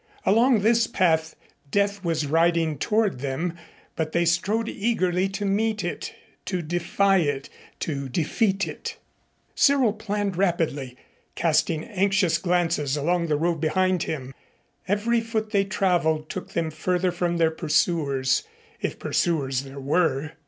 Along this path Death was riding toward them, but they strode eagerly to meet it, to defy it, to defeat it. Cyril planned rapidly, casting anxious glances along the road behind them. Every foot they traveled took them further from pursuers, if pursuers there were.